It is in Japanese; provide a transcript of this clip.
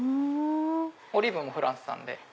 オリーブもフランス産で。